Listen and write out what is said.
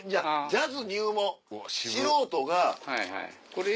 ジャズ入門素人が。